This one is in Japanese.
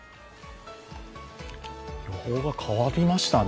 予報が変わりましたね。